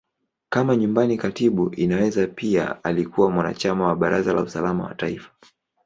Kama Nyumbani Katibu, Inaweza pia alikuwa mwanachama wa Baraza la Usalama wa Taifa.